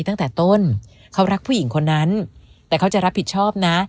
ตั้งแต่ต้นเขารักผู้หญิงคนนั้นแต่เขาจะรับผิดชอบนะ